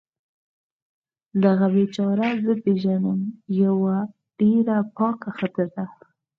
دغه بیچاره زه پیږنم یوه ډیره پاکه ښځه ده